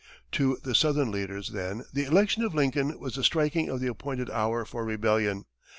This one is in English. To the southern leaders, then, the election of Lincoln was the striking of the appointed hour for rebellion.